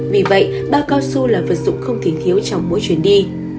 vì vậy bao cao su là vật dụng không thể thiếu trong mỗi chuyến đi